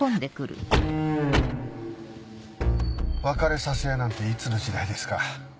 別れさせ屋なんていつの時代ですか？